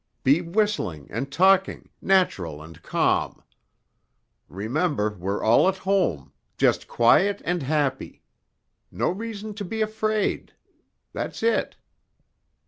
Be whistling and talking, natural and calm. Remember we're all at home, just quiet and happy no reason to be afraid. That's it."